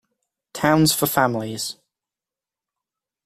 Towns for Families.